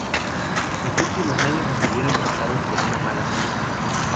Sus últimos años estuvieron marcados por una mala salud.